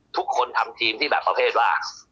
ทุกคนทำทีมที่แบบประเภทว่า